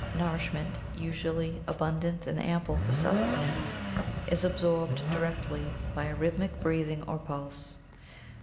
Nourishment, usually abundant and ample for sustenance, is ab sorbed directly by a rhythmic breathing or pulse.